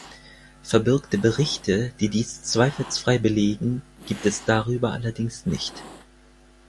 Verbürgte Berichte, die dies zweifelsfrei belegen, gibt es darüber allerdings nicht.